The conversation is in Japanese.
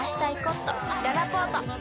ららぽーと